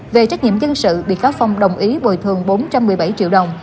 về trách nhiệm dân sự bị cáo phong đồng ý bồi thường bốn trăm một mươi bảy triệu đồng